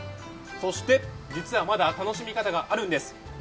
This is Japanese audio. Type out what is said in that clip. そして実はまだ楽しみ方があるんです。